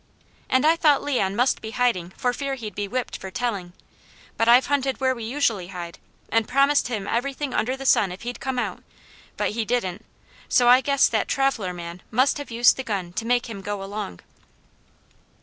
And I thought Leon must be hiding for fear he'd be whipped for telling, but I've hunted where we usually hide, and promised him everything under the sun if he'd come out; but he didn't, so I guess that traveller man must have used the gun to make him go along."